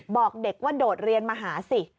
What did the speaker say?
บอกเด็กว่าโดดเรียนมาหาสิ